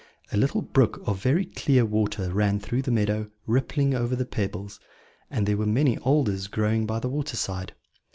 A little brook of very clear water ran through the meadow, rippling over the pebbles; and there were many alders growing by the water side.